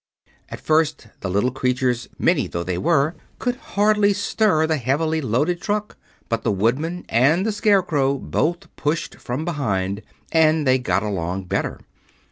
At first the little creatures, many though they were, could hardly stir the heavily loaded truck; but the Woodman and the Scarecrow both pushed from behind, and they got along better.